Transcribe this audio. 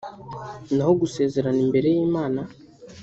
naho gusezerana imbere y’Imana